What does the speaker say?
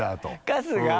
春日。